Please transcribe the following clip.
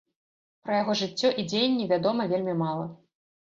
Пра яго жыццё і дзеянні вядома вельмі мала.